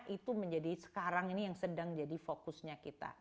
itu menjadi sekarang ini yang sedang jadi fokusnya kita